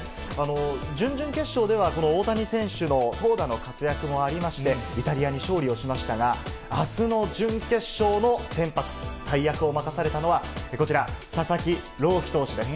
準々決勝では、この大谷選手の投打の活躍もありまして、イタリアに勝利をしましたが、あすの準決勝の先発、大役を任されたのは、こちら、佐々木朗希投手です。